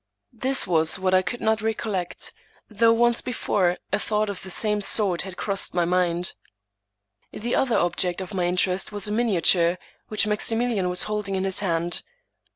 This was what I could not recollect, though once before a thought of the same sort had crossed my mind. The other object of my interest was a miniature, which Maximilian was holding in his hand.